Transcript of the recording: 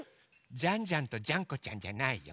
ジャンジャンとジャンコちゃんじゃないよ。